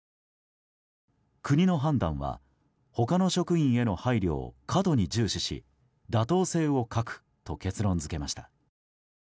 国の判断は、他の職員への配慮を過度に重視し妥当性を欠くと結論付けました。